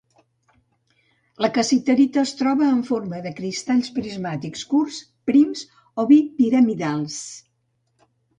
La cassiterita es troba en forma de cristalls prismàtics curts, prims o bipiramidals.